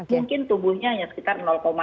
mungkin tubuhnya hanya sekitar